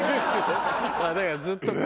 だからずっとか。